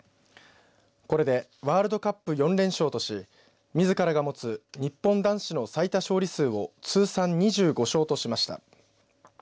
これでワールドカップ４連勝としみずからが持つ日本男子の最多勝利数を通算２５勝としました。